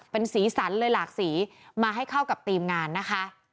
เป็นสีสันเลยหลากสีมาให้เข้ากับทีมงานนะคะ